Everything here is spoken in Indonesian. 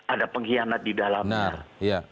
ada pengkhianat di dalamnya